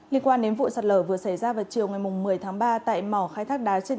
liên quan đến vụ sạt lở vừa xảy ra vào chiều ngày một mươi tháng ba tại mỏ khai thác đá trên